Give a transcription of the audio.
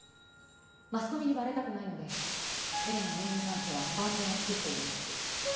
マスコミにバレたくないので絵理の入院に関しては万全を期しているんです。